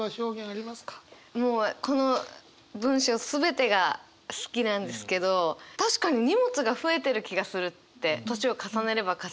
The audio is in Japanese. もうこの文章全てが好きなんですけど確かに荷物が増えてる気がするって年を重ねれば重ねるほど。